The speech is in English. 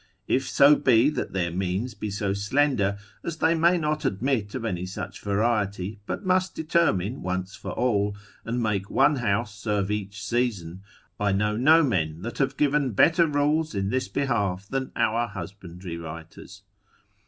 If so be that their means be so slender as they may not admit of any such variety, but must determine once for all, and make one house serve each season, I know no men that have given better rules in this behalf than our husbandry writers.